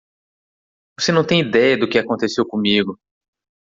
Você não tem idéia do que aconteceu comigo.